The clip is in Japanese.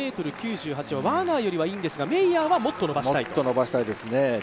１４ｍ９８はワーナーよりはいいんですけどメイヤーはもっと伸ばしたいと。